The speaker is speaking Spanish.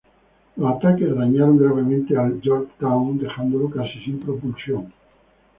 Los ataques dañaron gravemente al "Yorktown", dejándolo casi sin propulsión.